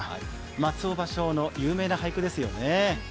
松尾芭蕉の有名な俳句ですよね。